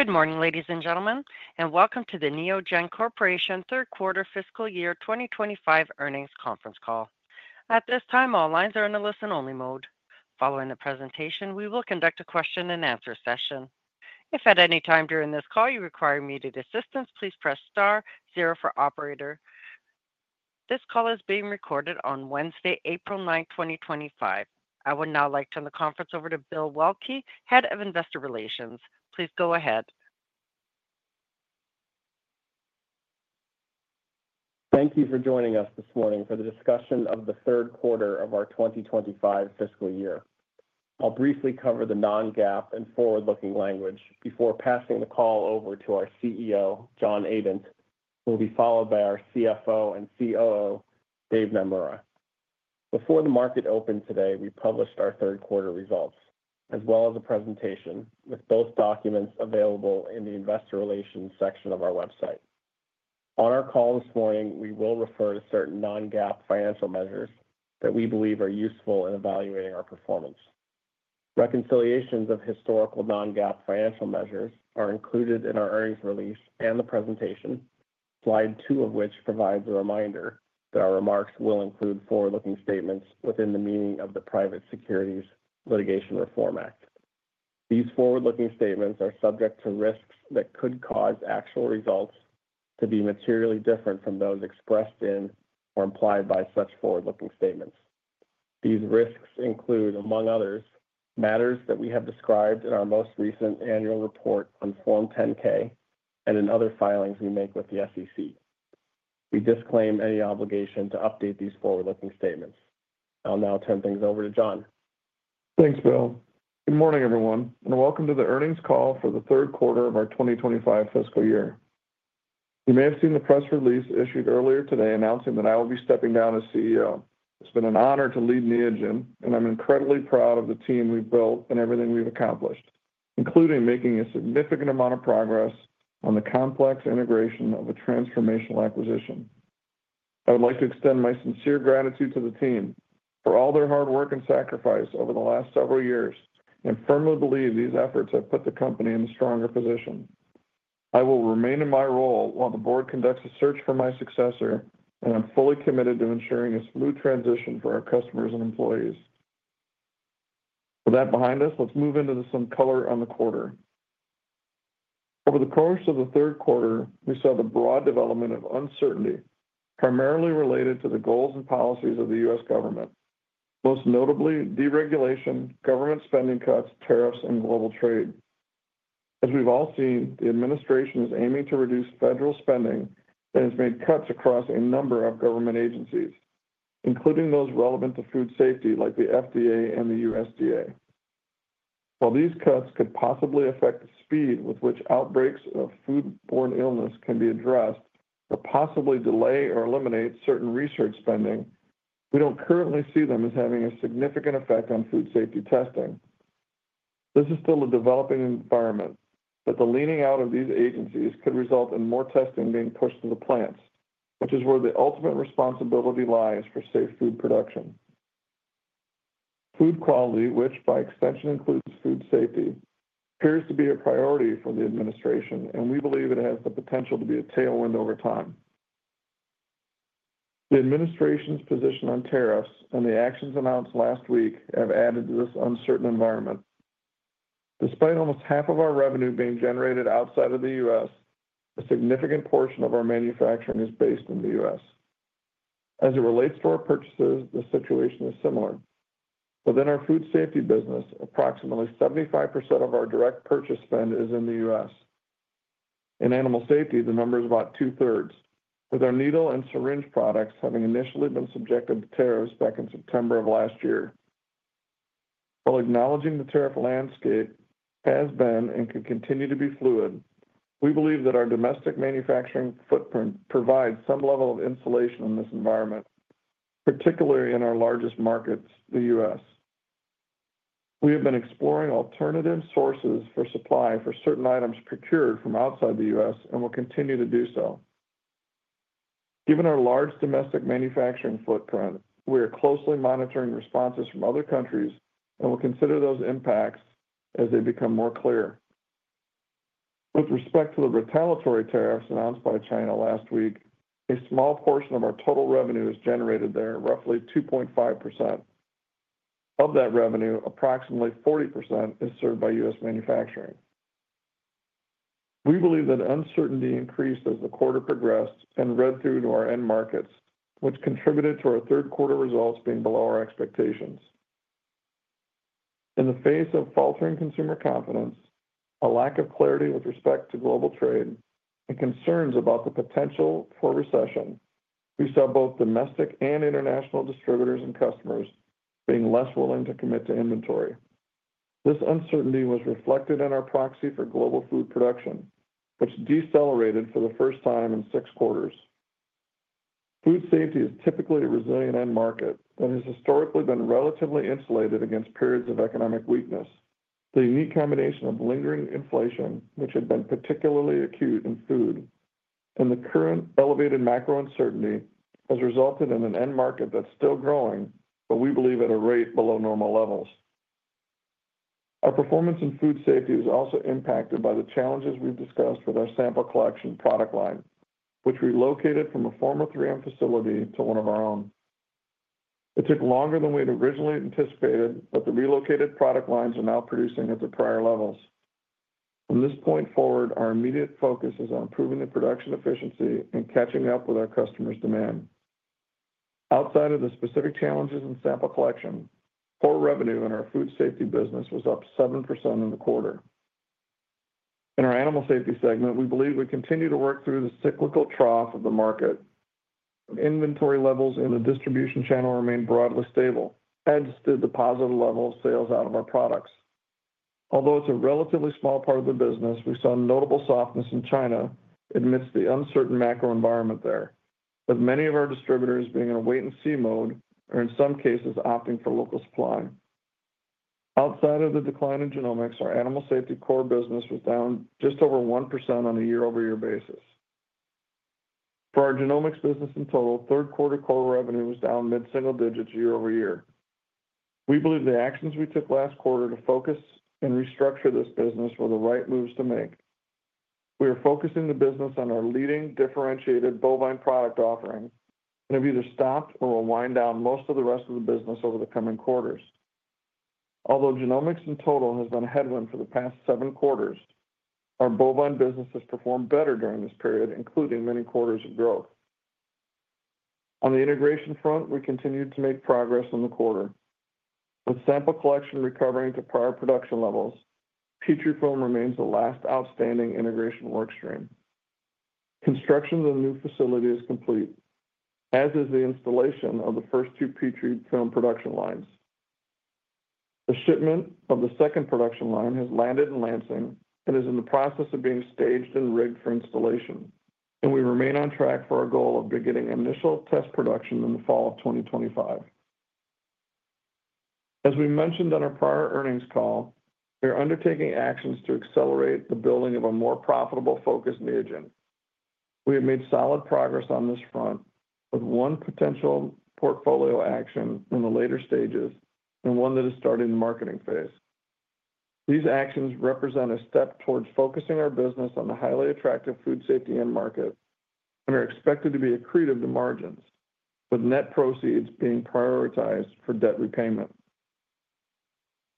Good morning, ladies and gentlemen, and welcome to the Neogen Corporation Third Quarter Fiscal Year 2025 Earnings Conference Call. At this time, all lines are in the listen-only mode. Following the presentation, we will conduct a question-and-answer session. If at any time during this call you require immediate assistance, please press star, zero for operator. This call is being recorded on Wednesday, April 9, 2025. I would now like to turn the conference over to Bill Waelke, Head of Investor Relations. Please go ahead. Thank you for joining us this morning for the discussion of the third quarter of our 2025 fiscal year. I'll briefly cover the non-GAAP and forward-looking language before passing the call over to our CEO, John Adent, who will be followed by our CFO and COO, Dave Naemura. Before the market opened today, we published our third quarter results, as well as a presentation, with both documents available in the Investor Relations section of our website. On our call this morning, we will refer to certain non-GAAP financial measures that we believe are useful in evaluating our performance. Reconciliations of historical non-GAAP financial measures are included in our earnings release and the presentation, slide two of which provides a reminder that our remarks will include forward-looking statements within the meaning of the Private Securities Litigation Reform Act. These forward-looking statements are subject to risks that could cause actual results to be materially different from those expressed in or implied by such forward-looking statements. These risks include, among others, matters that we have described in our most recent annual report on Form 10-K and in other filings we make with the SEC. We disclaim any obligation to update these forward-looking statements. I'll now turn things over to John. Thanks, Bill. Good morning, everyone, and welcome to the earnings call for the third quarter of our 2025 fiscal year. You may have seen the press release issued earlier today announcing that I will be stepping down as CEO. It's been an honor to lead Neogen, and I'm incredibly proud of the team we've built and everything we've accomplished, including making a significant amount of progress on the complex integration of a transformational acquisition. I would like to extend my sincere gratitude to the team for all their hard work and sacrifice over the last several years, and firmly believe these efforts have put the company in a stronger position. I will remain in my role while the board conducts a search for my successor, and I'm fully committed to ensuring a smooth transition for our customers and employees. With that behind us, let's move into some color on the quarter. Over the course of the third quarter, we saw the broad development of uncertainty, primarily related to the goals and policies of the U.S. government, most notably deregulation, government spending cuts, tariffs, and global trade. As we've all seen, the administration is aiming to reduce federal spending and has made cuts across a number of government agencies, including those relevant to food safety like the FDA and the USDA. While these cuts could possibly affect the speed with which outbreaks of foodborne illness can be addressed or possibly delay or eliminate certain research spending, we don't currently see them as having a significant effect on food safety testing. This is still a developing environment, but the leaning out of these agencies could result in more testing being pushed to the plants, which is where the ultimate responsibility lies for safe food production. Food quality, which by extension includes food safety, appears to be a priority for the administration, and we believe it has the potential to be a tailwind over time. The administration's position on tariffs and the actions announced last week have added to this uncertain environment. Despite almost half of our revenue being generated outside of the U.S., a significant portion of our manufacturing is based in the U.S. As it relates to our purchases, the situation is similar. Within our food safety business, approximately 75% of our direct purchase spend is in the U.S. In animal safety, the number is about two-thirds, with our needle and syringe products having initially been subjected to tariffs back in September of last year. While acknowledging the tariff landscape has been and can continue to be fluid, we believe that our domestic manufacturing footprint provides some level of insulation in this environment, particularly in our largest markets, the U.S. We have been exploring alternative sources for supply for certain items procured from outside the U.S. and will continue to do so. Given our large domestic manufacturing footprint, we are closely monitoring responses from other countries and will consider those impacts as they become more clear. With respect to the retaliatory tariffs announced by China last week, a small portion of our total revenue is generated there, roughly 2.5%. Of that revenue, approximately 40% is served by U.S. manufacturing. We believe that uncertainty increased as the quarter progressed and read through to our end markets, which contributed to our third quarter results being below our expectations. In the face of faltering consumer confidence, a lack of clarity with respect to global trade, and concerns about the potential for recession, we saw both domestic and international distributors and customers being less willing to commit to inventory. This uncertainty was reflected in our proxy for global food production, which decelerated for the first time in six quarters. Food safety is typically a resilient end market that has historically been relatively insulated against periods of economic weakness. The unique combination of lingering inflation, which had been particularly acute in food, and the current elevated macro uncertainty has resulted in an end market that's still growing, but we believe at a rate below normal levels. Our performance in food safety is also impacted by the challenges we've discussed with our sample collection product line, which relocated from a former 3M facility to one of our own. It took longer than we had originally anticipated, but the relocated product lines are now producing at their prior levels. From this point forward, our immediate focus is on improving the production efficiency and catching up with our customers' demand. Outside of the specific challenges in sample collection, core revenue in our food safety business was up 7% in the quarter. In our animal safety segment, we believe we continue to work through the cyclical trough of the market. Inventory levels in the distribution channel remain broadly stable, as did the positive level of sales out of our products. Although it's a relatively small part of the business, we saw notable softness in China amidst the uncertain macro environment there, with many of our distributors being in a wait-and-see mode or, in some cases, opting for local supply. Outside of the decline in genomics, our animal safety core business was down just over 1% on a year-over-year basis. For our genomics business in total, third quarter core revenue was down mid-single digits year-over-year. We believe the actions we took last quarter to focus and restructure this business were the right moves to make. We are focusing the business on our leading differentiated bovine product offering and have either stopped or will wind down most of the rest of the business over the coming quarters. Although genomics in total has been a headwind for the past seven quarters, our bovine business has performed better during this period, including many quarters of growth. On the integration front, we continue to make progress in the quarter. With sample collection recovering to prior production levels, Petrifilm remains the last outstanding integration workstream. Construction of the new facility is complete, as is the installation of the first two Petrifilm production lines. The shipment of the second production line has landed in Lansing and is in the process of being staged and rigged for installation, and we remain on track for our goal of beginning initial test production in the fall of 2025. As we mentioned on our prior earnings call, we are undertaking actions to accelerate the building of a more profitable focus in Neogen. We have made solid progress on this front, with one potential portfolio action in the later stages and one that is starting the marketing phase. These actions represent a step towards focusing our business on the highly attractive food safety end market and are expected to be accretive to margins, with net proceeds being prioritized for debt repayment.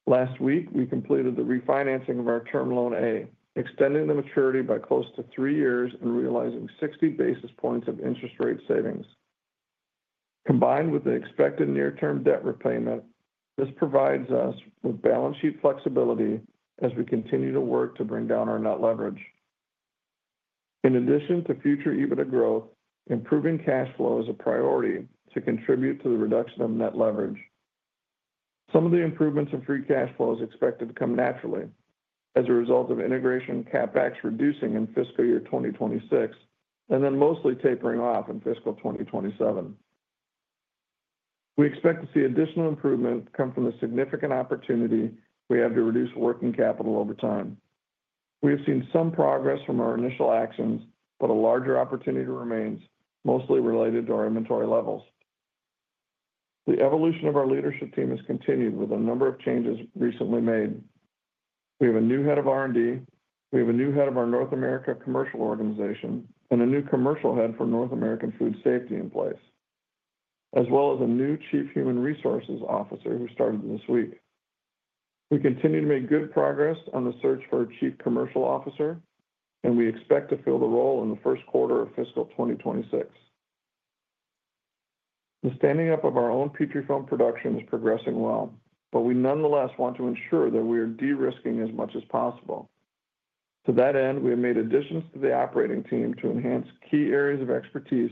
Last week, we completed the refinancing of our term loan A, extending the maturity by close to three years and realizing 60 basis points of interest rate savings. Combined with the expected near-term debt repayment, this provides us with balance sheet flexibility as we continue to work to bring down our net leverage. In addition to future EBITDA growth, improving cash flow is a priority to contribute to the reduction of net leverage. Some of the improvements in free cash flow are expected to come naturally as a result of integration CapEx reducing in fiscal year 2026 and then mostly tapering off in fiscal 2027. We expect to see additional improvement come from the significant opportunity we have to reduce working capital over time. We have seen some progress from our initial actions, but a larger opportunity remains, mostly related to our inventory levels. The evolution of our leadership team has continued with a number of changes recently made. We have a new head of R&D, we have a new head of our North America commercial organization, and a new commercial head for North American food safety in place, as well as a new Chief Human Resources Officer who started this week. We continue to make good progress on the search for a Chief Commercial Officer, and we expect to fill the role in the first quarter of fiscal 2026. The standing up of our own Petrifilm production is progressing well, but we nonetheless want to ensure that we are de-risking as much as possible. To that end, we have made additions to the operating team to enhance key areas of expertise,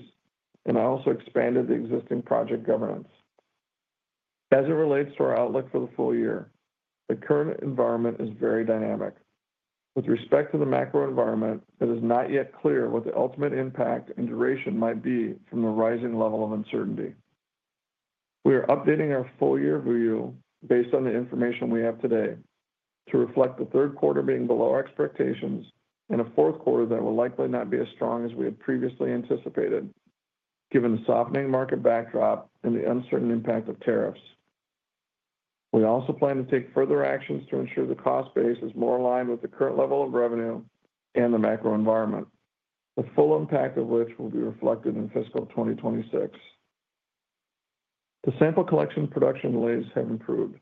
and I also expanded the existing project governance. As it relates to our outlook for the full year, the current environment is very dynamic. With respect to the macro environment, it is not yet clear what the ultimate impact and duration might be from the rising level of uncertainty. We are updating our full year BU based on the information we have today to reflect the third quarter being below expectations and a fourth quarter that will likely not be as strong as we had previously anticipated, given the softening market backdrop and the uncertain impact of tariffs. We also plan to take further actions to ensure the cost base is more aligned with the current level of revenue and the macro environment, the full impact of which will be reflected in fiscal 2026. The sample collection production delays have improved.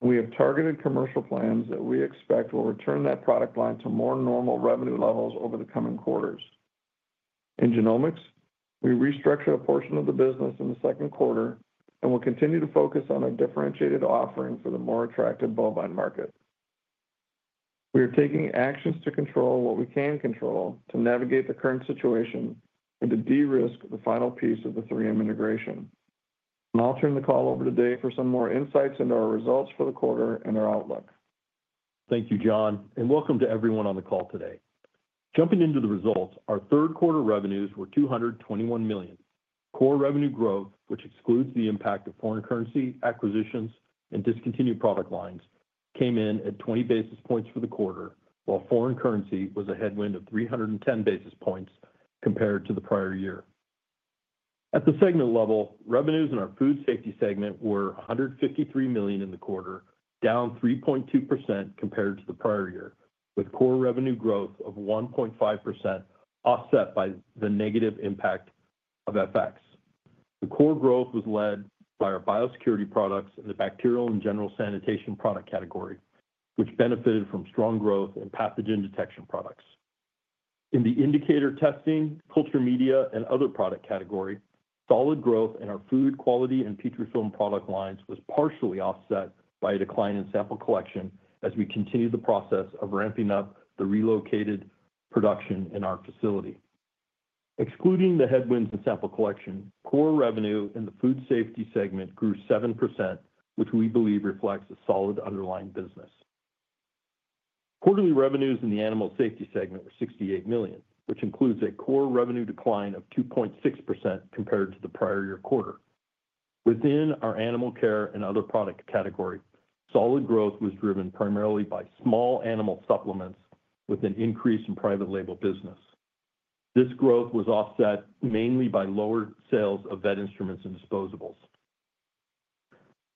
We have targeted commercial plans that we expect will return that product line to more normal revenue levels over the coming quarters. In genomics, we restructured a portion of the business in the second quarter and will continue to focus on our differentiated offering for the more attractive bovine market. We are taking actions to control what we can control to navigate the current situation and to de-risk the final piece of the 3M integration. I'll turn the call over to Dave for some more insights into our results for the quarter and our outlook. Thank you, John, and welcome to everyone on the call today. Jumping into the results, our third quarter revenues were $221 million. Core revenue growth, which excludes the impact of foreign currency acquisitions and discontinued product lines, came in at 20 basis points for the quarter, while foreign currency was a headwind of 310 basis points compared to the prior year. At the segment level, revenues in our food safety segment were $153 million in the quarter, down 3.2% compared to the prior year, with core revenue growth of 1.5% offset by the negative impact of FX. The core growth was led by our biosecurity products in the bacterial and general sanitation product category, which benefited from strong growth in pathogen detection products. In the indicator testing, culture media, and other product category, solid growth in our food quality and Petrifilm product lines was partially offset by a decline in sample collection as we continued the process of ramping up the relocated production in our facility. Excluding the headwinds in sample collection, core revenue in the food safety segment grew 7%, which we believe reflects a solid underlying business. Quarterly revenues in the animal safety segment were $68 million, which includes a core revenue decline of 2.6% compared to the prior year quarter. Within our animal care and other product category, solid growth was driven primarily by small animal supplements with an increase in private label business. This growth was offset mainly by lower sales of vet instruments and disposables.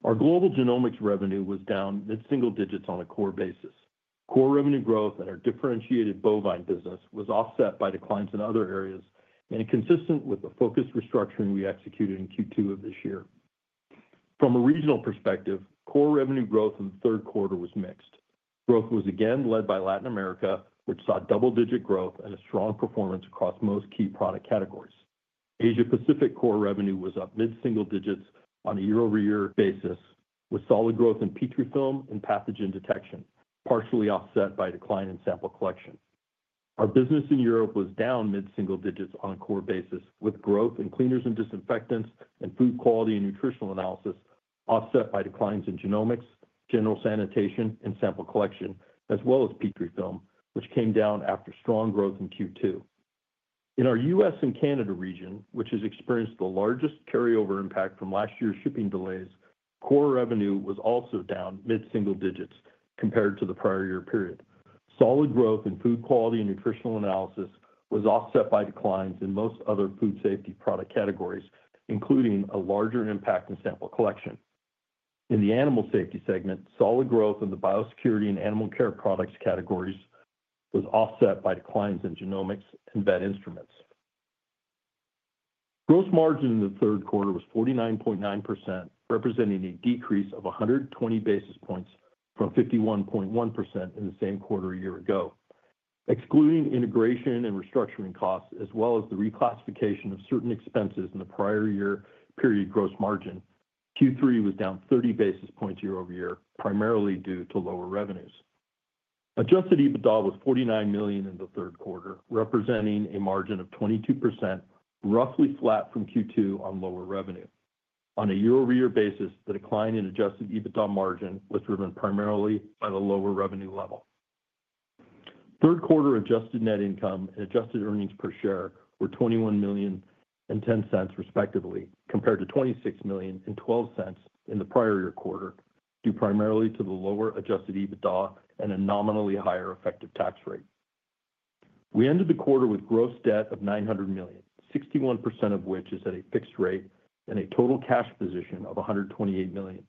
Our global genomics revenue was down mid single-digits on a core basis. Core revenue growth in our differentiated bovine business was offset by declines in other areas and consistent with the focused restructuring we executed in Q2 of this year. From a regional perspective, core revenue growth in the third quarter was mixed. Growth was again led by Latin America, which saw double-digit growth and a strong performance across most key product categories. Asia-Pacific core revenue was up mid-single digits on a year-over-year basis, with solid growth in Petrifilm and pathogen detection, partially offset by decline in sample collection. Our business in Europe was down mid-single digits on a core basis, with growth in cleaners and disinfectants and food quality and nutritional analysis offset by declines in genomics, general sanitation, and sample collection, as well as Petrifilm, which came down after strong growth in Q2. In our U.S. Canada region, which has experienced the largest carryover impact from last year's shipping delays, core revenue was also down mid single-digits compared to the prior year period. Solid growth in food quality and nutritional analysis was offset by declines in most other food safety product categories, including a larger impact in sample collection. In the animal safety segment, solid growth in the biosecurity and animal care products categories was offset by declines in genomics and vet instruments. Gross margin in the third quarter was 49.9%, representing a decrease of 120 basis points from 51.1% in the same quarter a year ago. Excluding integration and restructuring costs, as well as the reclassification of certain expenses in the prior year period gross margin, Q3 was down 30 basis points year-over-year, primarily due to lower revenues. Adjusted EBITDA was $49 million in the third quarter, representing a margin of 22%, roughly flat from Q2 on lower revenue. On a year-over-year basis, the decline in Adjusted EBITDA margin was driven primarily by the lower revenue level. Third quarter adjusted net income and adjusted earnings per share were $21 million and $0.10, respectively, compared to $26 million and $0.12 in the prior year quarter, due primarily to the lower Adjusted EBITDA and a nominally higher effective tax rate. We ended the quarter with gross debt of $900 million, 61% of which is at a fixed rate, and a total cash position of $128 million.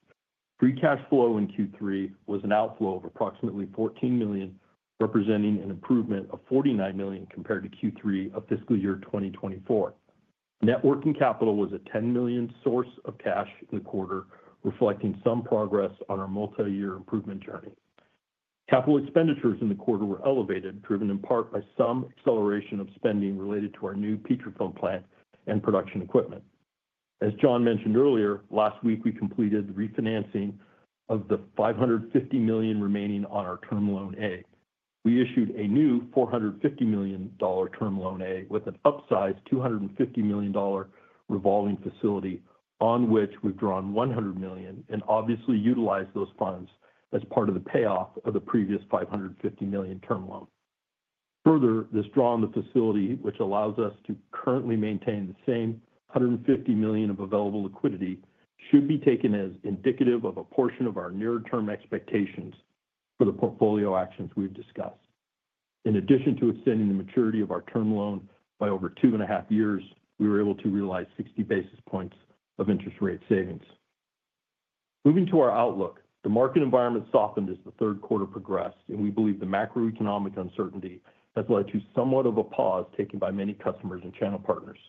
Free cash flow in Q3 was an outflow of approximately $14 million, representing an improvement of $49 million compared to Q3 of fiscal year 2024. Networking capital was a $10 million source of cash in the quarter, reflecting some progress on our multi-year improvement journey. Capital expenditures in the quarter were elevated, driven in part by some acceleration of spending related to our new Petrifilm plant and production equipment. As John mentioned earlier, last week we completed the refinancing of the $550 million remaining on our term loan A. We issued a new $450 million term loan A with an upsized $250 million revolving facility, on which we've drawn $100 million and obviously utilized those funds as part of the payoff of the previous $550 million term loan. Further, this draw on the facility, which allows us to currently maintain the same $150 million of available liquidity, should be taken as indicative of a portion of our near-term expectations for the portfolio actions we've discussed. In addition to extending the maturity of our term loan by over two and a half years, we were able to realize 60 basis points of interest rate savings. Moving to our outlook, the market environment softened as the third quarter progressed, and we believe the macroeconomic uncertainty has led to somewhat of a pause taken by many customers and channel partners.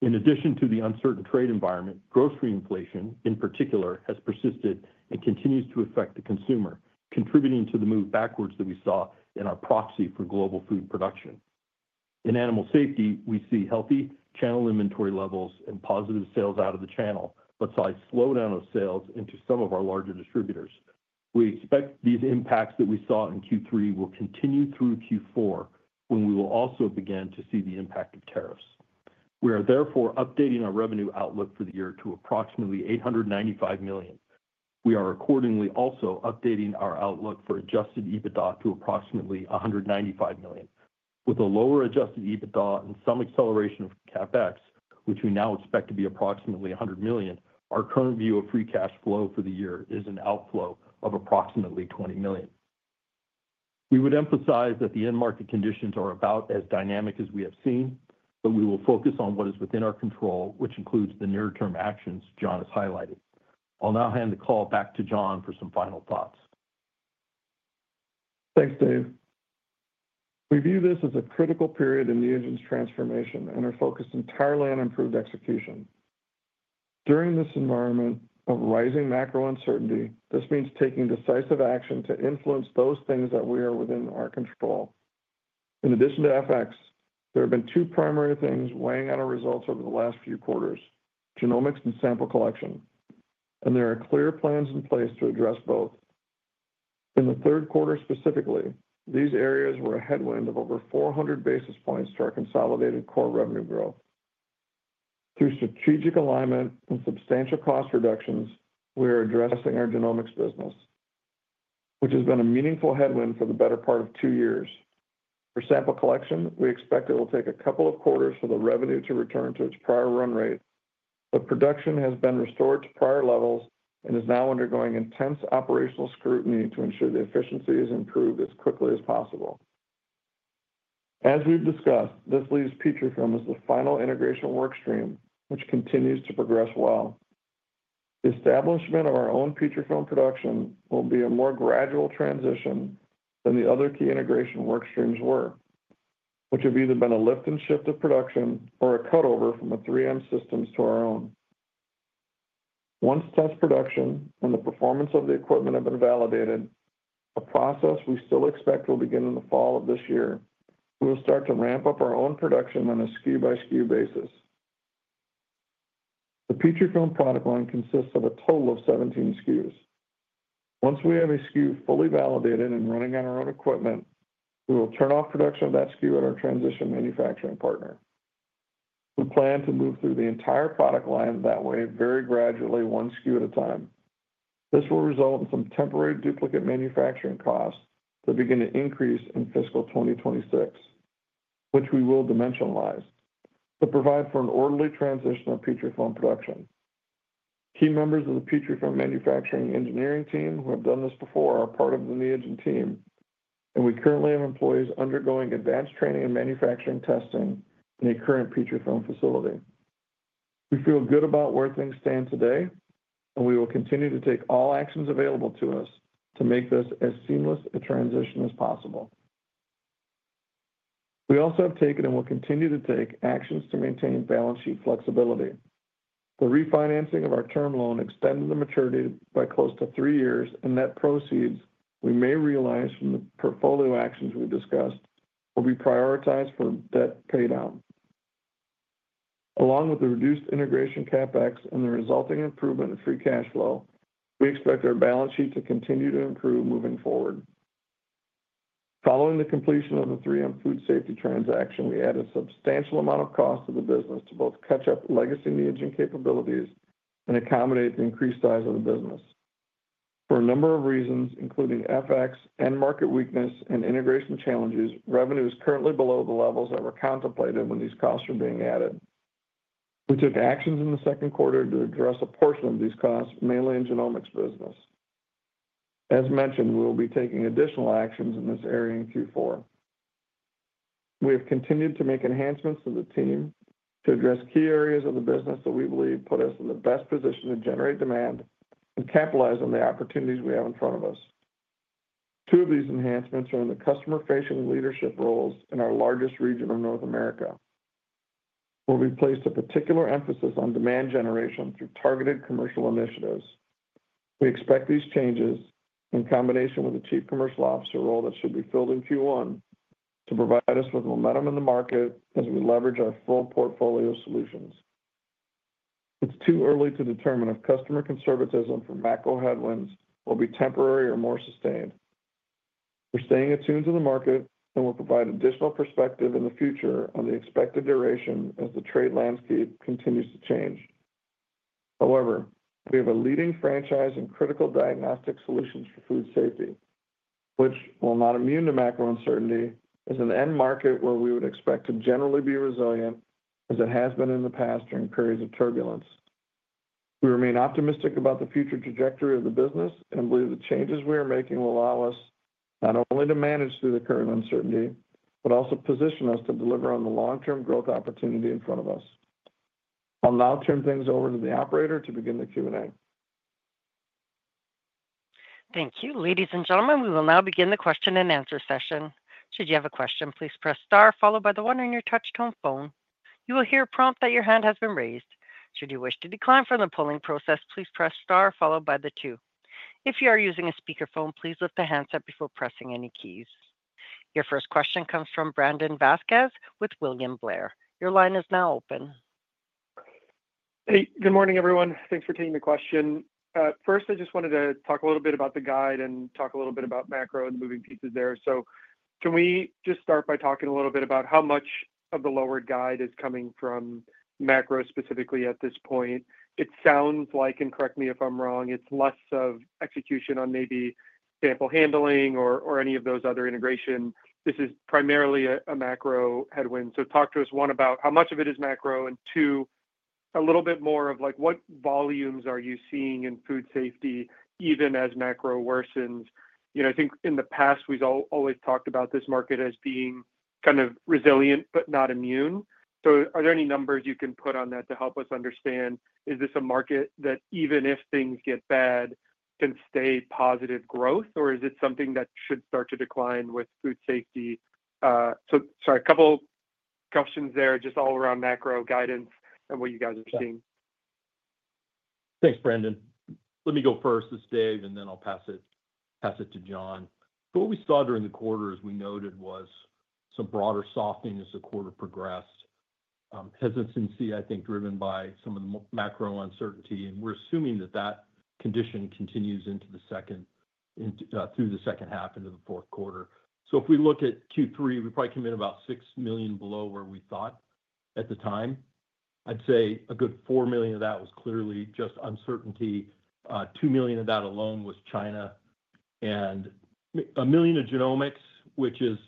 In addition to the uncertain trade environment, grocery inflation, in particular, has persisted and continues to affect the consumer, contributing to the move backwards that we saw in our proxy for global food production. In animal safety, we see healthy channel inventory levels and positive sales out of the channel, but slight slowdown of sales into some of our larger distributors. We expect these impacts that we saw in Q3 will continue through Q4, when we will also begin to see the impact of tariffs. We are therefore updating our revenue outlook for the year to approximately $895 million. We are accordingly also updating our outlook for Adjusted EBITDA to approximately $195 million. With a lower Adjusted EBITDA and some acceleration of CapEx, which we now expect to be approximately $100 million, our current view of free cash flow for the year is an outflow of approximately $20 million. We would emphasize that the end market conditions are about as dynamic as we have seen, but we will focus on what is within our control, which includes the near-term actions John has highlighted. I'll now hand the call back to John for some final thoughts. Thanks, Dave. We view this as a critical period in Neogen's transformation and are focused entirely on improved execution. During this environment of rising macro uncertainty, this means taking decisive action to influence those things that are within our control. In addition to FX, there have been two primary things weighing on our results over the last few quarters: genomics and sample collection. There are clear plans in place to address both. In the third quarter specifically, these areas were a headwind of over 400 basis points to our consolidated core revenue growth. Through strategic alignment and substantial cost reductions, we are addressing our genomics business, which has been a meaningful headwind for the better part of two years. For sample collection, we expect it will take a couple of quarters for the revenue to return to its prior run rate, but production has been restored to prior levels and is now undergoing intense operational scrutiny to ensure the efficiency is improved as quickly as possible. As we've discussed, this leaves Petrifilm as the final integration workstream, which continues to progress well. The establishment of our own Petrifilm production will be a more gradual transition than the other key integration workstreams were, which have either been a lift and shift of production or a cutover from the 3M systems to our own. Once test production and the performance of the equipment have been validated, a process we still expect will begin in the fall of this year, we will start to ramp up our own production on a SKU-by-SKU basis. The Petrifilm product line consists of a total of 17 SKUs. Once we have a SKU fully validated and running on our own equipment, we will turn off production of that SKU at our transition manufacturing partner. We plan to move through the entire product line that way very gradually, one SKU at a time. This will result in some temporary duplicate manufacturing costs that begin to increase in fiscal 2026, which we will dimensionalize to provide for an orderly transition of Petrifilm production. Key members of the Petrifilm manufacturing engineering team who have done this before are part of the Neogen team, and we currently have employees undergoing advanced training and manufacturing testing in a current Petrifilm facility. We feel good about where things stand today, and we will continue to take all actions available to us to make this as seamless a transition as possible. We also have taken and will continue to take actions to maintain balance sheet flexibility. The refinancing of our term loan extended the maturity by close to three years, and that proceeds we may realize from the portfolio actions we've discussed will be prioritized for debt paydown. Along with the reduced integration CapEx and the resulting improvement in free cash flow, we expect our balance sheet to continue to improve moving forward. Following the completion of the 3M food safety transaction, we add a substantial amount of cost to the business to both catch up legacy Neogen capabilities and accommodate the increased size of the business. For a number of reasons, including FX and market weakness and integration challenges, revenue is currently below the levels that were contemplated when these costs were being added. We took actions in the second quarter to address a portion of these costs, mainly in genomics business. As mentioned, we will be taking additional actions in this area in Q4. We have continued to make enhancements to the team to address key areas of the business that we believe put us in the best position to generate demand and capitalize on the opportunities we have in front of us. Two of these enhancements are in the customer-facing leadership roles in our largest region of North America. We have placed a particular emphasis on demand generation through targeted commercial initiatives. We expect these changes in combination with a Chief Commercial Officer role that should be filled in Q1 to provide us with momentum in the market as we leverage our full portfolio solutions. It's too early to determine if customer conservatism for macro headwinds will be temporary or more sustained. We're staying attuned to the market, and we'll provide additional perspective in the future on the expected duration as the trade landscape continues to change. However, we have a leading franchise in critical diagnostic solutions for food safety, which, while not immune to macro uncertainty, is an end market where we would expect to generally be resilient, as it has been in the past during periods of turbulence. We remain optimistic about the future trajectory of the business and believe the changes we are making will allow us not only to manage through the current uncertainty, but also position us to deliver on the long-term growth opportunity in front of us. I'll now turn things over to the operator to begin the Q&A. Thank you. Ladies and gentlemen, we will now begin the question and answer session. Should you have a question, please press star, followed by the one on your touch-tone phone. You will hear a prompt that your hand has been raised. Should you wish to decline from the polling process, please press star, followed by the two. If you are using a speakerphone, please lift the handset before pressing any keys. Your first question comes from Brandon Vazquez with William Blair. Your line is now open. Hey, good morning, everyone. Thanks for taking the question. First, I just wanted to talk a little bit about the guide and talk a little bit about macro and the moving pieces there. Can we just start by talking a little bit about how much of the lowered guide is coming from macro specifically at this point? It sounds like, and correct me if I'm wrong, it's less of execution on maybe sample handling or any of those other integration. This is primarily a macro headwind. Talk to us, one, about how much of it is macro, and two, a little bit more of what volumes are you seeing in food safety, even as macro worsens? I think in the past, we've always talked about this market as being kind of resilient but not immune. Are there any numbers you can put on that to help us understand? Is this a market that, even if things get bad, can stay positive growth, or is it something that should start to decline with food safety? Sorry, a couple questions there just all around macro guidance and what you guys are seeing. Thanks, Brandon. Let me go first as Dave, and then I'll pass it to John. What we saw during the quarter, as we noted, was some broader softening as the quarter progressed, hesitancy, I think, driven by some of the macro uncertainty. We're assuming that that condition continues into the second through the second half into the fourth quarter. If we look at Q3, we probably came in about $6 million below where we thought at the time. I'd say a good $4 million of that was clearly just uncertainty. $2 million of that alone was China, and a million of genomics, which is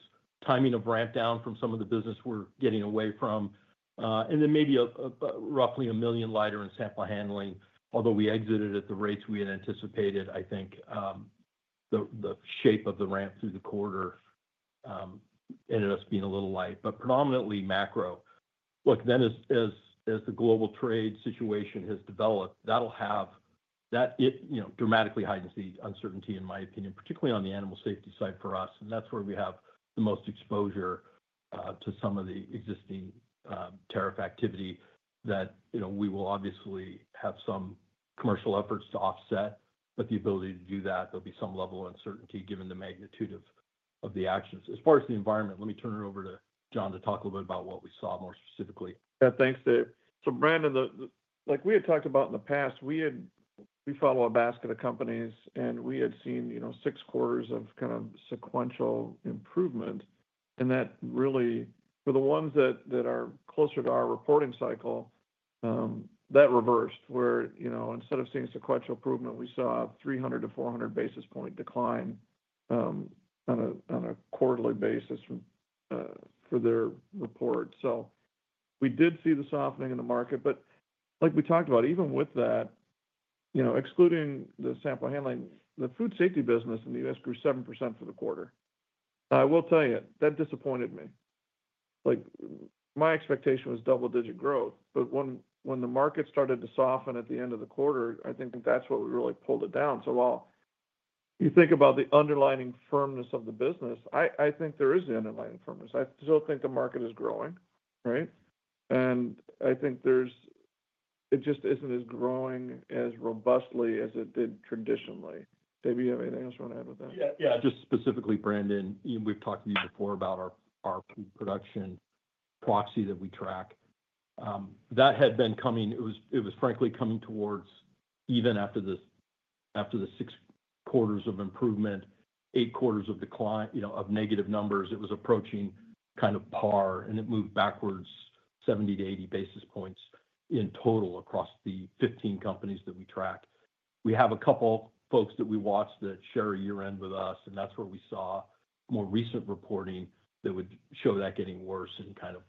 timing of ramp down from some of the business we're getting away from, and then maybe roughly a million lighter in sample handling. Although we exited at the rates we had anticipated, I think the shape of the ramp through the quarter ended up being a little light. Predominantly macro. Look, as the global trade situation has developed, that dramatically heightens the uncertainty, in my opinion, particularly on the animal safety side for us. That is where we have the most exposure to some of the existing tariff activity that we will obviously have some commercial efforts to offset. The ability to do that, there will be some level of uncertainty given the magnitude of the actions. As far as the environment, let me turn it over to John to talk a little bit about what we saw more specifically. Yeah, thanks, Dave. Brandon, like we had talked about in the past, we follow a basket of companies, and we had seen six quarters of kind of sequential improvement. That really, for the ones that are closer to our reporting cycle, reversed, where instead of seeing sequential improvement, we saw a 300-400 basis point decline on a quarterly basis for their report. We did see the softening in the market. Like we talked about, even with that, excluding the sample handling, the food safety business in the U.S. grew 7% for the quarter. I will tell you, that disappointed me. My expectation was double-digit growth. When the market started to soften at the end of the quarter, I think that's what really pulled it down. While you think about the underlining firmness of the business, I think there is the underlying firmness. I still think the market is growing, right? I think it just isn't growing as robustly as it did traditionally. Dave, do you have anything else you want to add with that? Yeah, just specifically, Brandon, we've talked to you before about our food production proxy that we track. That had been coming; it was, frankly, coming towards even after the six quarters of improvement, eight quarters of negative numbers. It was approaching kind of par, and it moved backwards 70-80 basis points in total across the 15 companies that we track. We have a couple folks that we watch that share a year-end with us, and that's where we saw more recent reporting that would show that getting worse and kind of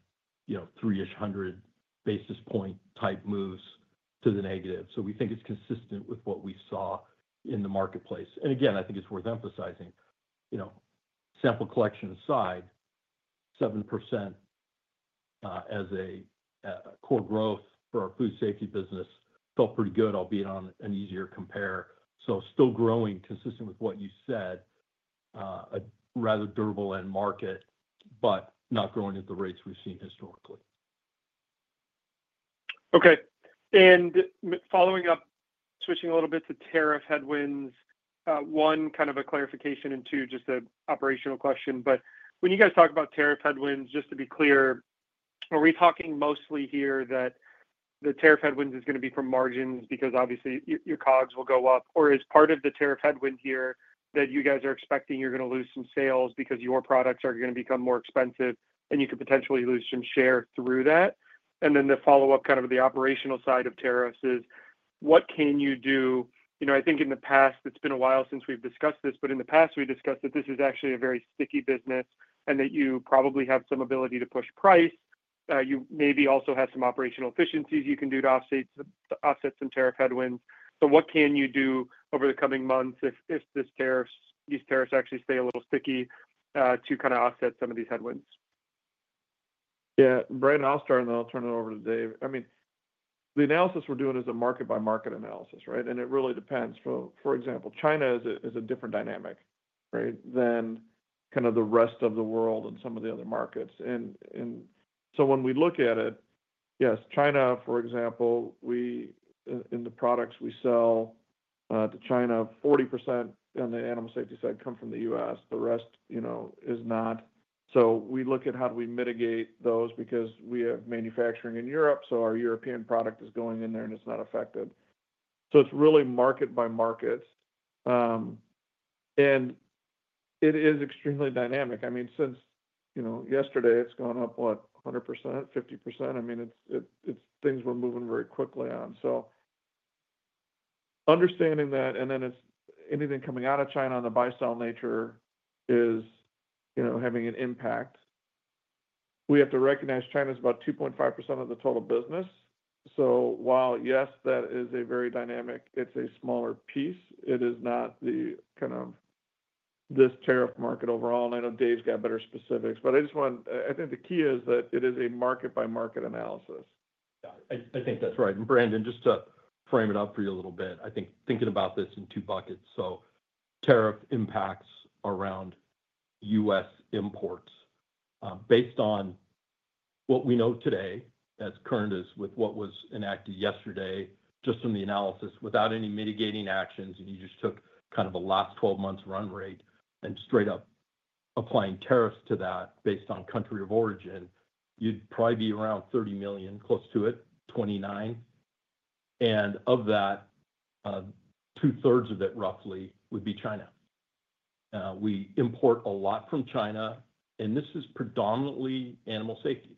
three-ish hundred basis point type moves to the negative. We think it's consistent with what we saw in the marketplace. I think it's worth emphasizing, sample collection aside, 7% as a core growth for our food safety business felt pretty good, albeit on an easier compare. Still growing, consistent with what you said, a rather durable end market, but not growing at the rates we've seen historically. Okay. Following up, switching a little bit to tariff headwinds, one, kind of a clarification, and two, just an operational question. When you guys talk about tariff headwinds, just to be clear, are we talking mostly here that the tariff headwinds are going to be from margins because obviously your COGS will go up? Or is part of the tariff headwind here that you guys are expecting you're going to lose some sales because your products are going to become more expensive, and you could potentially lose some share through that? The follow-up, kind of the operational side of tariffs, is what can you do? I think in the past, it's been a while since we've discussed this, but in the past, we discussed that this is actually a very sticky business and that you probably have some ability to push price. You maybe also have some operational efficiencies you can do to offset some tariff headwinds. What can you do over the coming months if these tariffs actually stay a little sticky to kind of offset some of these headwinds? Yeah, Brandon, I'll start, and then I'll turn it over to Dave. I mean, the analysis we're doing is a market-by-market analysis, right? It really depends. For example, China is a different dynamic, right, than kind of the rest of the world and some of the other markets. When we look at it, yes, China, for example, in the products we sell to China, 40% on the animal safety side come from the U.S. The rest is not. We look at how do we mitigate those because we have manufacturing in Europe, so our European product is going in there, and it's not affected. It's really market-by-market. It is extremely dynamic. I mean, since yesterday, it's gone up, what, 100%, 50%? I mean, it's things we're moving very quickly on. Understanding that, and then anything coming out of China on the buy-sell nature is having an impact. We have to recognize China is about 2.5% of the total business. So while, yes, that is a very dynamic, it's a smaller piece. It is not kind of this tariff market overall. I know Dave's got better specifics, but I just want to, I think the key is that it is a market-by-market analysis. Yeah, I think that's right. Brandon, just to frame it up for you a little bit, I think thinking about this in two buckets. Tariff impacts around U.S. imports. Based on what we know today, as current as with what was enacted yesterday, just from the analysis, without any mitigating actions, and you just took kind of a last 12 months run rate and straight up applying tariffs to that based on country of origin, you'd probably be around $30 million, close to it, $29 million. Of that, two-thirds of it roughly would be China. We import a lot from China, and this is predominantly animal safety.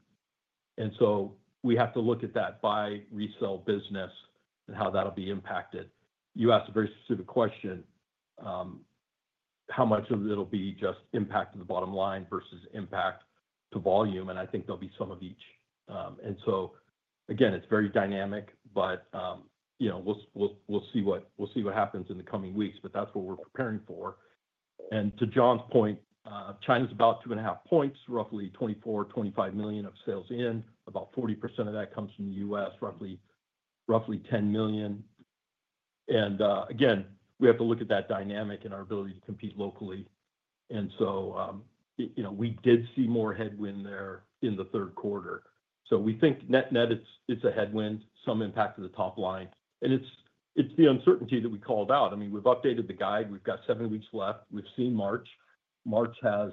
We have to look at that by resale business and how that'll be impacted. You asked a very specific question, how much of it'll be just impact to the bottom line versus impact to volume, and I think there'll be some of each. It is very dynamic, but we'll see what happens in the coming weeks, but that's what we're preparing for. To John's point, China's about two and a half points, roughly $24 million-$25 million of sales in. About 40% of that comes from the U.S., roughly $10 million. We have to look at that dynamic and our ability to compete locally. We did see more headwind there in the third quarter. We think net-net, it's a headwind, some impact to the top line. It's the uncertainty that we called out. I mean, we've updated the guide. We've got seven weeks left. We've seen March. March has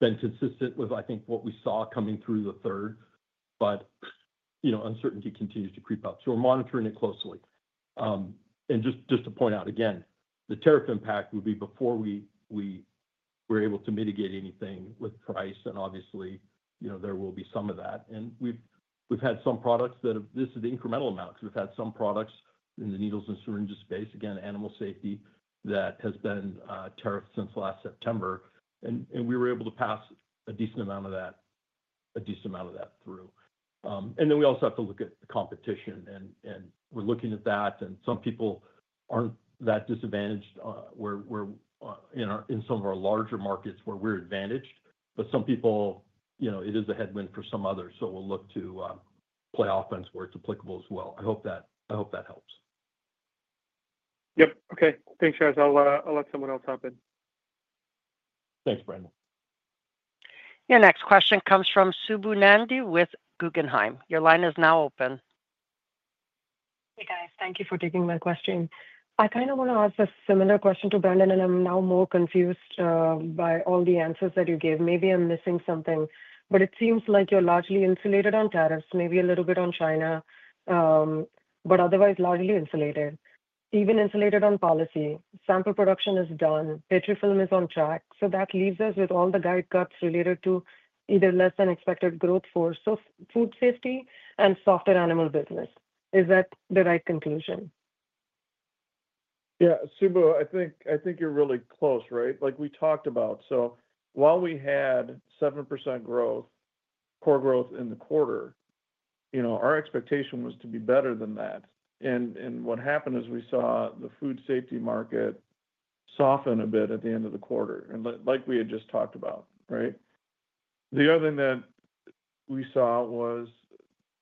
been consistent with, I think, what we saw coming through the third, but uncertainty continues to creep up. We are monitoring it closely. Just to point out again, the tariff impact would be before we were able to mitigate anything with price. Obviously, there will be some of that. We have had some products that have, this is the incremental amount. We have had some products in the needles and syringes space, again, animal safety, that have been tariffed since last September. We were able to pass a decent amount of that, a decent amount of that through. We also have to look at the competition. We are looking at that. Some people are not that disadvantaged in some of our larger markets where we are advantaged, but for some people, it is a headwind for some others. We'll look to play offense where it's applicable as well. I hope that helps. Yep. Okay. Thanks, guys. I'll let someone else hop in. Thanks, Brandon. Your next question comes from Subbu Nambi with Guggenheim. Your line is now open. Hey, guys. Thank you for taking my question. I kind of want to ask a similar question to Brandon, and I'm now more confused by all the answers that you gave. Maybe I'm missing something. It seems like you're largely insulated on tariffs, maybe a little bit on China, but otherwise largely insulated, even insulated on policy. Sample production is done. Petrifilm is on track. That leaves us with all the guide cuts related to either less-than-expected growth for food safety and softer animal business. Is that the right conclusion? Yeah, Subbu, I think you're really close, right? Like we talked about, while we had 7% growth, core growth in the quarter, our expectation was to be better than that. What happened is we saw the food safety market soften a bit at the end of the quarter, like we had just talked about, right? The other thing that we saw was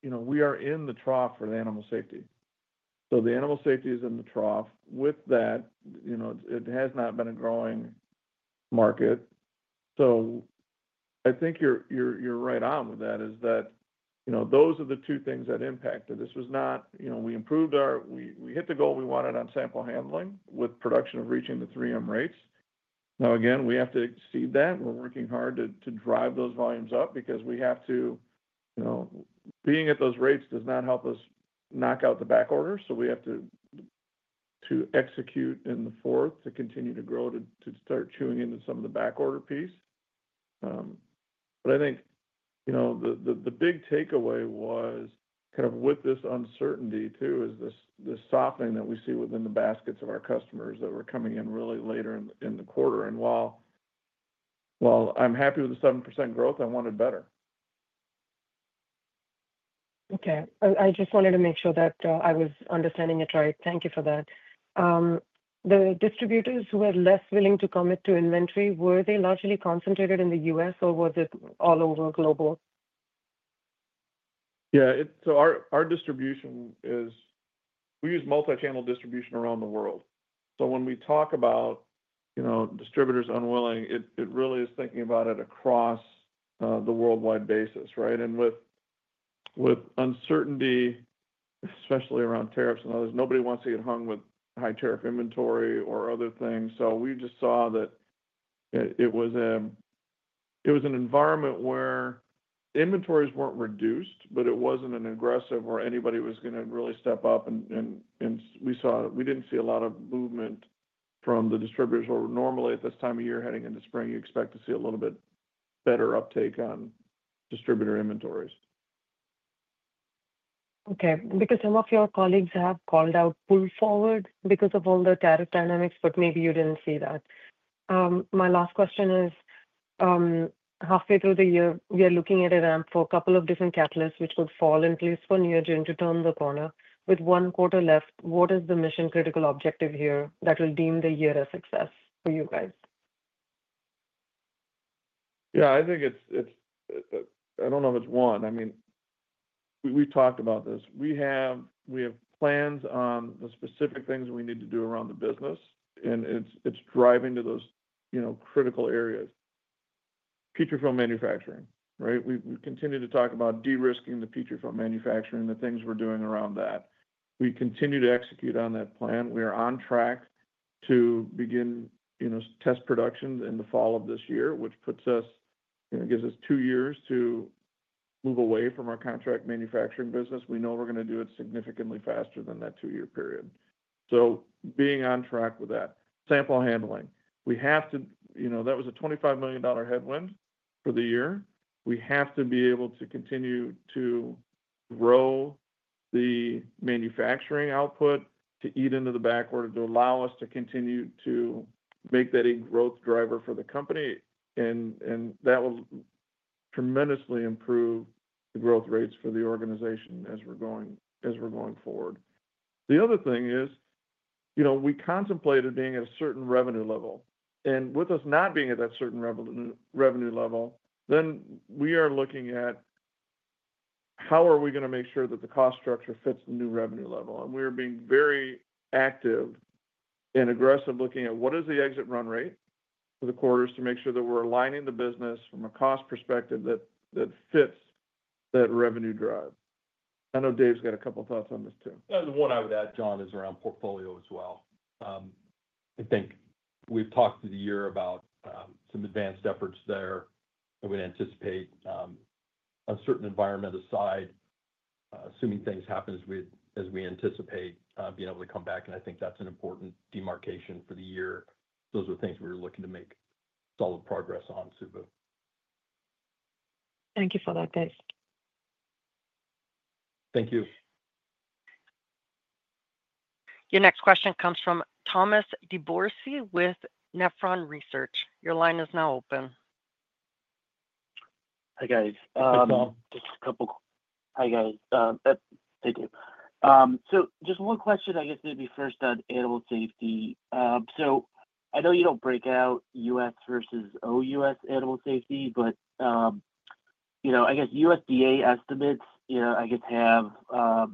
we are in the trough for the animal safety. The animal safety is in the trough. With that, it has not been a growing market. I think you're right on with that, that those are the two things that impacted. This was not we improved our we hit the goal we wanted on sample handling with production reaching the 3M rates. Now, again, we have to exceed that. We're working hard to drive those volumes up because we have to. Being at those rates does not help us knock out the back order. We have to execute in the fourth to continue to grow to start chewing into some of the back order piece. I think the big takeaway was, kind of with this uncertainty too, the softening that we see within the baskets of our customers that were coming in really later in the quarter. While I'm happy with the 7% growth, I wanted better. Okay. I just wanted to make sure that I was understanding it right. Thank you for that. The distributors who were less willing to commit to inventory, were they largely concentrated in the U.S., or was it all over global? Yeah. Our distribution is we use multi-channel distribution around the world. When we talk about distributors unwilling, it really is thinking about it across the worldwide basis, right? With uncertainty, especially around tariffs and others, nobody wants to get hung with high tariff inventory or other things. We just saw that it was an environment where inventories were not reduced, but it was not an aggressive where anybody was going to really step up. We did not see a lot of movement from the distributors. Normally, at this time of year, heading into spring, you expect to see a little bit better uptake on distributor inventories. Okay. Because some of your colleagues have called out pull forward because of all the tariff dynamics, but maybe you did not see that. My last question is, halfway through the year, we are looking at a ramp for a couple of different catalysts which would fall in place for near June to turn the corner. With one quarter left, what is the mission-critical objective here that will deem the year a success for you guys? Yeah, I think it's I don't know if it's one. I mean, we've talked about this. We have plans on the specific things we need to do around the business, and it's driving to those critical areas. Petrifilm manufacturing, right? We continue to talk about de-risking the Petrifilm manufacturing, the things we're doing around that. We continue to execute on that plan. We are on track to begin test production in the fall of this year, which gives us two years to move away from our contract manufacturing business. We know we're going to do it significantly faster than that two-year period. Being on track with that. Sample handling. We have to that was a $25 million headwind for the year. We have to be able to continue to grow the manufacturing output to eat into the back order to allow us to continue to make that a growth driver for the company. That will tremendously improve the growth rates for the organization as we're going forward. The other thing is we contemplated being at a certain revenue level. With us not being at that certain revenue level, we are looking at how are we going to make sure that the cost structure fits the new revenue level. We are being very active and aggressive looking at what is the exit run rate for the quarters to make sure that we're aligning the business from a cost perspective that fits that revenue drive. I know Dave's got a couple of thoughts on this too. That's one I would add, John, is around portfolio as well. I think we've talked through the year about some advanced efforts there. I would anticipate a certain environment aside, assuming things happen as we anticipate being able to come back. I think that's an important demarcation for the year. Those are things we're looking to make solid progress on, Subbu. Thank you for that, Dave. Thank you. Your next question comes from Thomas DeBourcy with Nephron Research. Your line is now open. Hi, guys. Hey, Tom. Just a couple hi, guys. Thank you. Just one question, I guess, maybe first on animal safety. I know you don't break out U.S. versus OUS animal safety, but I guess USDA estimates have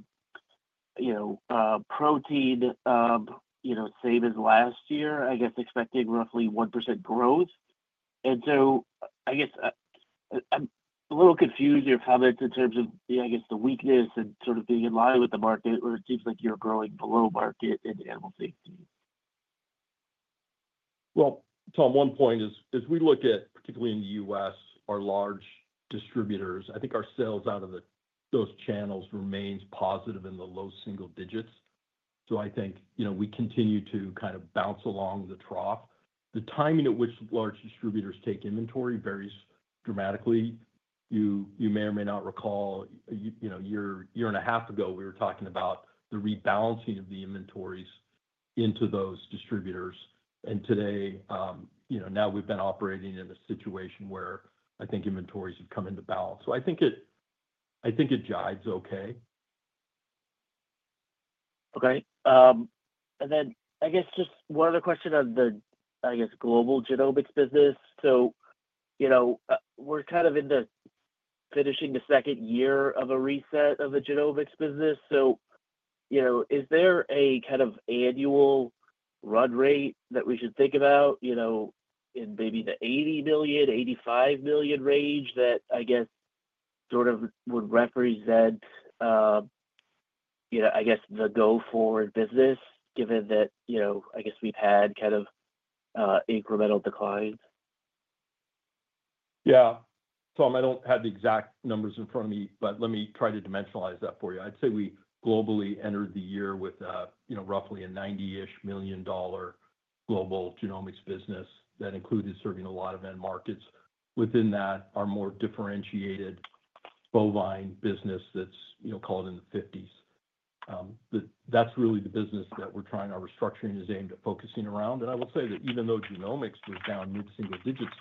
protein same as last year, expecting roughly 1% growth. I guess I'm a little confused in your comments in terms of the weakness and sort of being in line with the market, or it seems like you're growing below market in animal safety. Tom, one point is, as we look at, particularly in the U.S., our large distributors, I think our sales out of those channels remains positive in the low single digits. I think we continue to kind of bounce along the trough. The timing at which large distributors take inventory varies dramatically. You may or may not recall, a year and a half ago, we were talking about the rebalancing of the inventories into those distributors. Today, now we've been operating in a situation where I think inventories have come into balance. I think it jives okay. Okay. I guess just one other question on the, I guess, global genomics business. We're kind of finishing the second year of a reset of the genomics business. Is there a kind of annual run rate that we should think about in maybe the $80 million-$85 million range that, I guess, would represent the go-forward business, given that we've had kind of incremental declines? Yeah. Tom, I don't have the exact numbers in front of me, but let me try to dimensionalize that for you. I'd say we globally entered the year with roughly a $90 million-ish global genomics business that included serving a lot of end markets. Within that, our more differentiated bovine business, that's called in the $50 million range. That is really the business that our restructuring is aimed at focusing around. I will say that even though genomics was down mid-single digits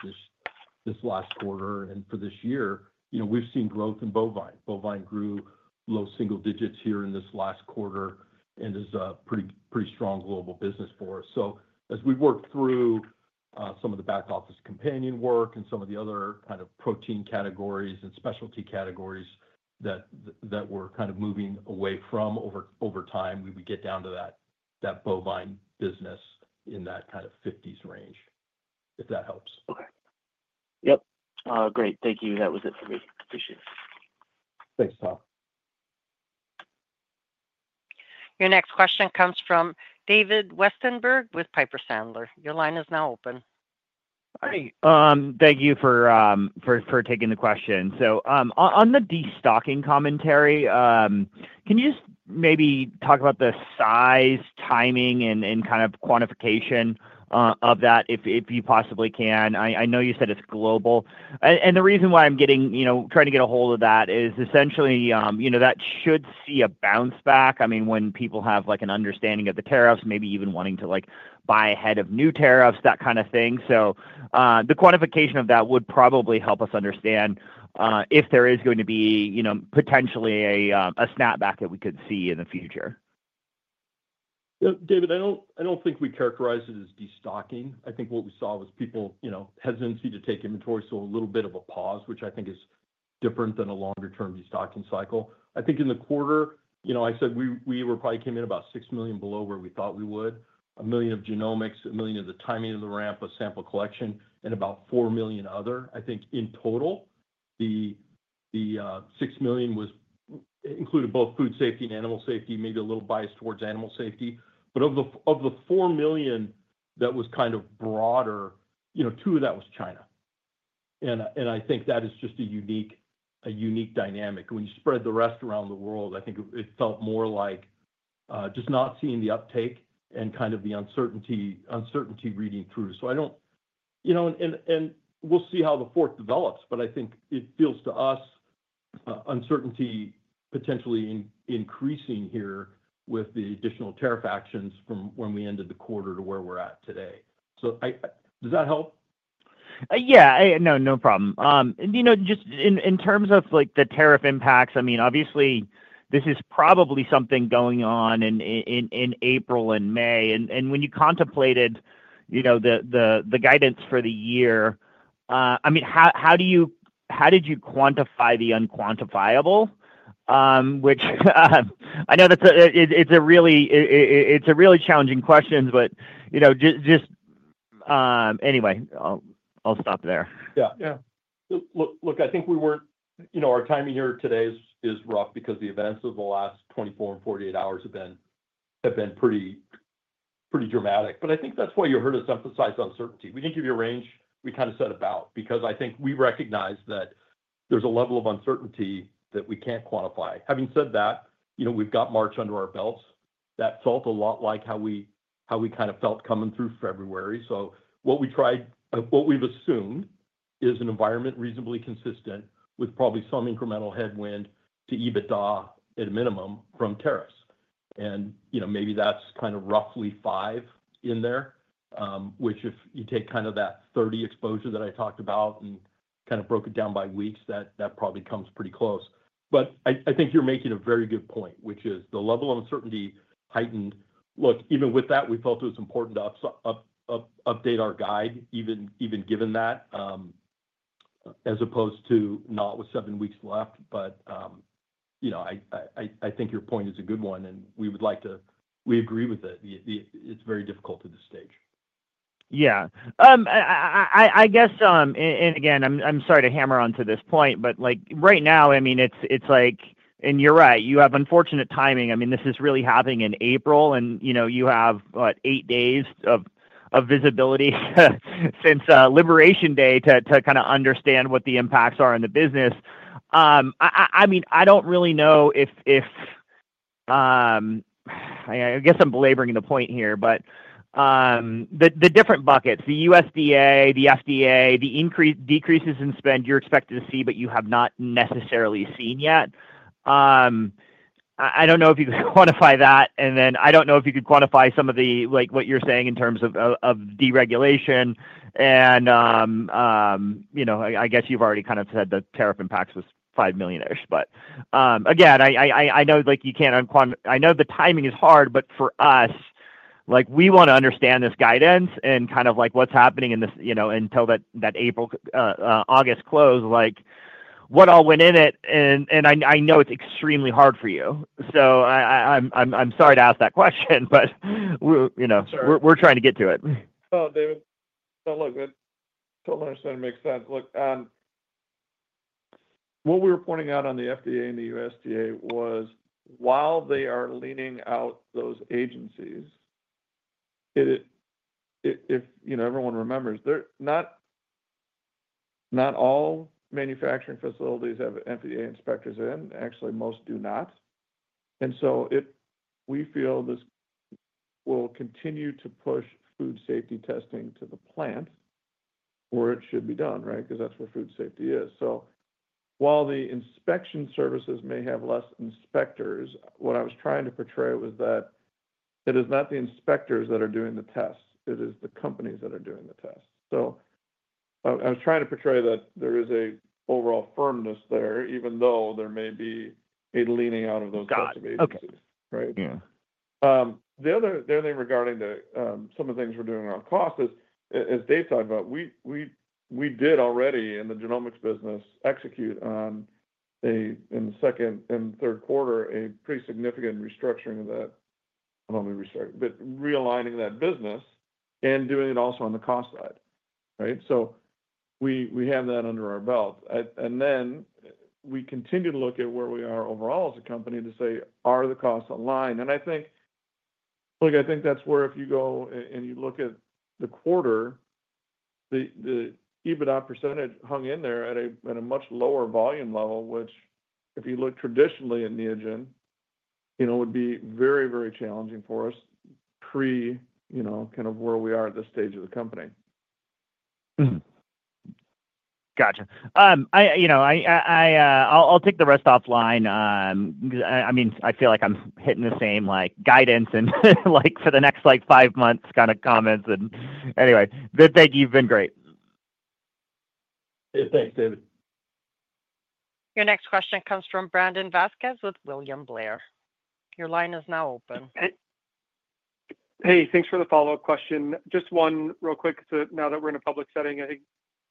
this last quarter and for this year, we've seen growth in bovine. Bovine grew low single digits here in this last quarter and is a pretty strong global business for us. As we work through some of the back office companion work and some of the other kind of protein categories and specialty categories that we're kind of moving away from over time, we would get down to that bovine business in that kind of 50s range, if that helps. Okay. Yep. Great. Thank you. That was it for me. Appreciate it. Thanks, Tom. Your next question comes from David Westenberg with Piper Sandler. Your line is now open. Hi. Thank you for taking the question. On the destocking commentary, can you just maybe talk about the size, timing, and kind of quantification of that if you possibly can? I know you said it's global. The reason why I'm trying to get a hold of that is essentially that should see a bounce back. I mean, when people have an understanding of the tariffs, maybe even wanting to buy ahead of new tariffs, that kind of thing. The quantification of that would probably help us understand if there is going to be potentially a snapback that we could see in the future. David, I do not think we characterize it as destocking. I think what we saw was people's hesitancy to take inventory, so a little bit of a pause, which I think is different than a longer-term destocking cycle. I think in the quarter, I said we probably came in about $6 million below where we thought we would, $1 million of genomics, $1 million of the timing of the ramp, a sample collection, and about $4 million other. I think in total, the $6 million included both food safety and animal safety, maybe a little biased towards animal safety. Of the $4 million that was kind of broader, $2 million of that was China. I think that is just a unique dynamic. When you spread the rest around the world, I think it felt more like just not seeing the uptake and kind of the uncertainty reading through. I don't and we'll see how the fourth develops, but I think it feels to us uncertainty potentially increasing here with the additional tariff actions from when we ended the quarter to where we're at today. Does that help? Yeah. No, no problem. Just in terms of the tariff impacts, I mean, obviously, this is probably something going on in April and May. And when you contemplated the guidance for the year, I mean, how did you quantify the unquantifiable? Which I know it's a really challenging question, but just anyway, I'll stop there. Yeah. Yeah. Look, I think we weren't—our timing here today is rough because the events of the last 24 and 48 hours have been pretty dramatic. I think that's why you heard us emphasize uncertainty. We didn't give you a range. We kind of set about because I think we recognize that there's a level of uncertainty that we can't quantify. Having said that, we've got March under our belts. That felt a lot like how we kind of felt coming through February. What we've assumed is an environment reasonably consistent with probably some incremental headwind to EBITDA at a minimum from tariffs. Maybe that's kind of roughly 5 in there, which if you take kind of that 30 exposure that I talked about and kind of broke it down by weeks, that probably comes pretty close. I think you're making a very good point, which is the level of uncertainty heightened. Look, even with that, we felt it was important to update our guide, even given that, as opposed to not with seven weeks left. I think your point is a good one, and we agree with it. It's very difficult at this stage. Yeah. I guess, and again, I'm sorry to hammer on to this point, but right now, I mean, it's like and you're right. You have unfortunate timing. I mean, this is really happening in April, and you have what, eight days of visibility since Liberation Day to kind of understand what the impacts are in the business. I mean, I don't really know if I guess I'm belaboring the point here, but the different buckets, the USDA, the FDA, the decreases in spend you're expected to see, but you have not necessarily seen yet. I don't know if you could quantify that. And then I don't know if you could quantify some of the what you're saying in terms of deregulation. And I guess you've already kind of said the tariff impacts was $5 million-ish. I know you can't, I know the timing is hard, but for us, we want to understand this guidance and kind of what's happening until that August close, what all went in it. I know it's extremely hard for you. I'm sorry to ask that question, but we're trying to get to it. Oh, David. Don't look good. Don't understand. It makes sense. Look, what we were pointing out on the FDA and the USDA was while they are leaning out those agencies, if everyone remembers, not all manufacturing facilities have FDA inspectors in. Actually, most do not. We feel this will continue to push food safety testing to the plant where it should be done, right? Because that's where food safety is. While the inspection services may have less inspectors, what I was trying to portray was that it is not the inspectors that are doing the tests. It is the companies that are doing the tests. I was trying to portray that there is an overall firmness there, even though there may be a leaning out of those types of agencies, right? Got it. Okay. Yeah. The other thing regarding some of the things we're doing around cost is, as Dave talked about, we did already in the genomics business execute on in the second and third quarter a pretty significant restructuring of that, not only restructuring, but realigning that business and doing it also on the cost side, right? We have that under our belt. We continue to look at where we are overall as a company to say, are the costs aligned? I think, look, I think that's where if you go and you look at the quarter, the EBITDA percentage hung in there at a much lower volume level, which if you look traditionally at Neogen, would be very, very challenging for us pre kind of where we are at this stage of the company. Gotcha. I'll take the rest offline because, I mean, I feel like I'm hitting the same guidance and for the next five months kind of comments. Anyway, thank you. You've been great. Thanks, David. Your next question comes from Brandon Vazquez with William Blair. Your line is now open. Hey, thanks for the follow-up question. Just one real quick. Now that we're in a public setting,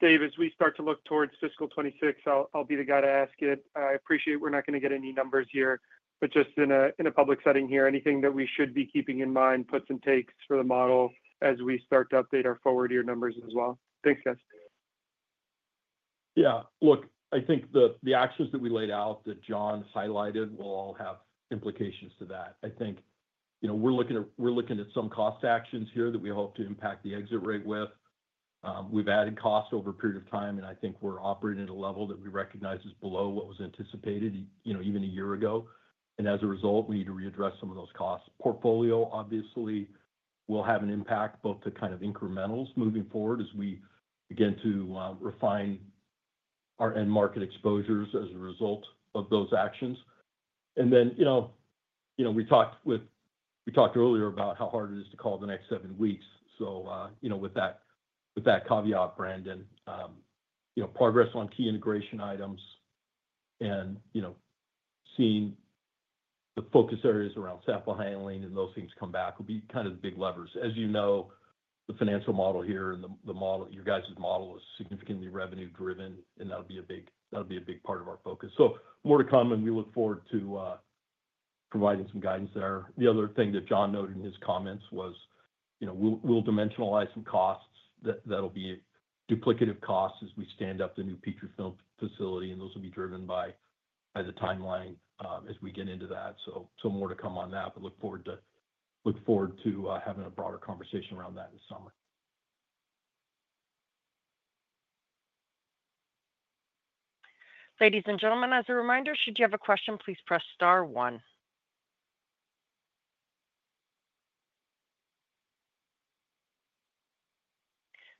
Dave, as we start to look towards fiscal 2026, I'll be the guy to ask it. I appreciate we're not going to get any numbers here, but just in a public setting here, anything that we should be keeping in mind, puts and takes for the model as we start to update our forward-year numbers as well. Thanks, guys. Yeah. Look, I think the actions that we laid out that John highlighted will all have implications to that. I think we're looking at some cost actions here that we hope to impact the exit rate with. We've added cost over a period of time, and I think we're operating at a level that we recognize is below what was anticipated even a year ago. As a result, we need to readdress some of those costs. Portfolio, obviously, will have an impact both to kind of incrementals moving forward as we begin to refine our end market exposures as a result of those actions. We talked earlier about how hard it is to call the next seven weeks. With that caveat, Brandon, progress on key integration items and seeing the focus areas around sample handling and those things come back will be kind of the big levers. As you know, the financial model here and your guys' model is significantly revenue-driven, and that'll be a big part of our focus. More to come, and we look forward to providing some guidance there. The other thing that John noted in his comments was we'll dimensionalize some costs. That'll be duplicative costs as we stand up the new Petrifilm facility, and those will be driven by the timeline as we get into that. More to come on that, but look forward to having a broader conversation around that this summer. Ladies and gentlemen, as a reminder, should you have a question, please press star one.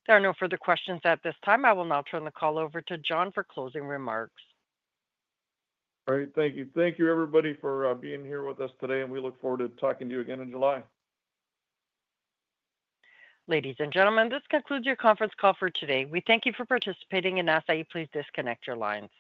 There are no further questions at this time. I will now turn the call over to John for closing remarks. All right. Thank you. Thank you, everybody, for being here with us today, and we look forward to talking to you again in July. Ladies and gentlemen, this concludes your conference call for today. We thank you for participating and ask that you please disconnect your lines.